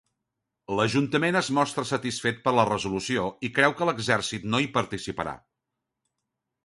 L'ajuntament es mostra satisfet per la resolució i creu que l'exèrcit no hi participarà.